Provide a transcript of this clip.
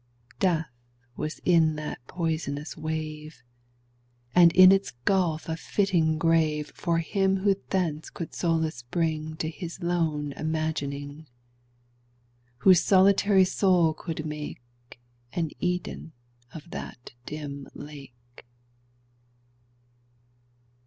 Death was in that poisonous wave, And in its gulf a fitting grave For him who thence could solace bring To his lone imagining— Whose solitary soul could make An Eden of that dim lake.